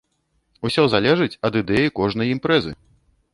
Усё залежыць ад ідэі кожнай імпрэзы.